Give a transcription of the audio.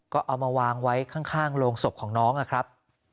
ก็เอามาวางไว้ข้างโรงศพของน้องนะครับ